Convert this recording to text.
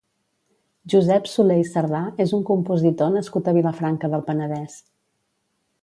Josep Soler i Sardà és un compositor nascut a Vilafranca del Penedès.